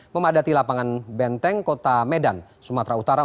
memadati lapangan benteng kota medan sumatera utara